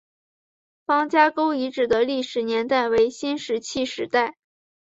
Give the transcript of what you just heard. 方家沟遗址的历史年代为新石器时代。